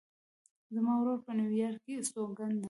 زما ورور په نیویارک کې استوګن ده